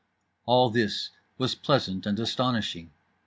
All this was pleasant and astonishing.